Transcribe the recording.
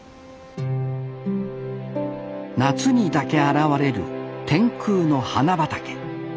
夏にだけ現れる天空の花畑。